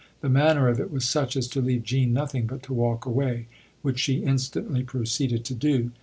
The manner of it was such as to leave Jean nothing but to walk away, which she instantly proceeded to do.